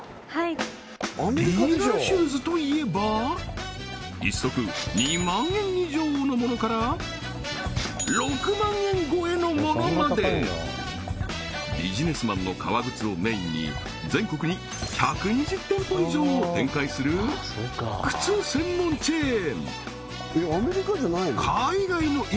はい１足２万円以上のものから６万円超えのものまでビジネスマンの革靴をメインに全国に１２０店舗以上展開する靴専門チェーン